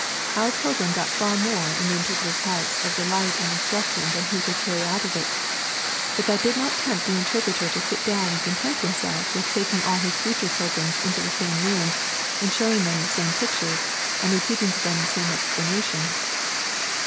Our pilgrim got far more in the Interpreter's House of delight and instruction than he could carry out of it, but that did not tempt the Interpreter to sit down and content himself with taking all his future pilgrims into the same room, and showing them the same pictures, and repeating to them the same explanations.